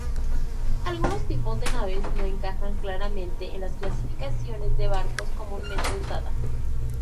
Algunos tipos de naves no encajan claramente en las clasificaciones de barcos comúnmente usadas.